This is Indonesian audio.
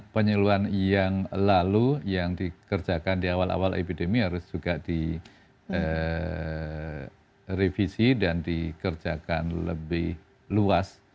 penyeluan yang lalu yang dikerjakan di awal awal epidemi harus juga direvisi dan dikerjakan lebih luas